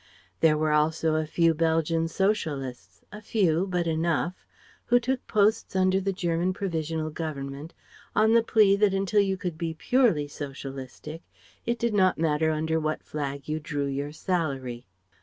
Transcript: There were also a few Belgian Socialists a few, but enough who took posts under the German provisional government, on the plea that until you could be purely socialistic it did not matter under what flag you drew your salary.